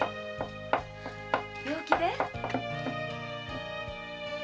病気で？